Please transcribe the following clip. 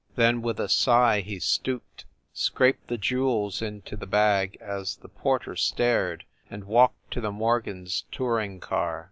Then, with a sigh, he stooped, scraped the jewels into the bag as the porter stared, and walked to the Mor gan s touring car.